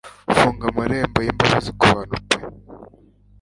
Funga amarembo y'imbabazi ku bantu pe